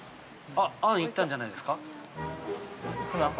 あん行ったんじゃないですか？